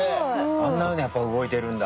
あんなふうにやっぱ動いてるんだ。